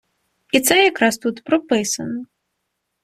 І це якраз тут прописано.